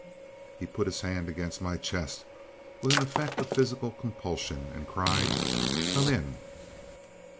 He put his hand against my chest with an effect of physical compulsion, and cried, "Come in!"